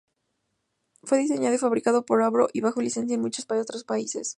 Fue diseñado y fabricado por Avro y bajo licencia en muchos otros países.